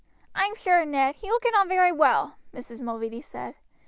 "I am sure, Ned, he will get on very well," Mrs. Mulready said.